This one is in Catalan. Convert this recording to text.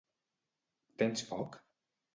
Tens foc?